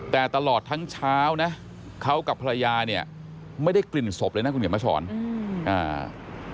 แต่ตลอดทั้งเช้านะเขากับภรรยาไม่ได้กลิ่นศพเลยนะคุณเจมส์ภาษาสวรรค์